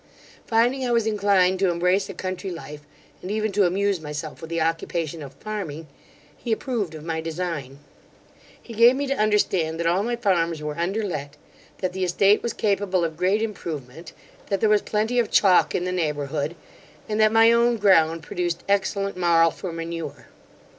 Finding I was inclined to embrace a country life, and even to amuse myself with the occupation of farming, he approved of my design He gave me to understand that all my farms were underlett; that the estate was capable of great improvement; that there was plenty of chalk in the neighbourhood; and that my own ground produced excellent marle for manure.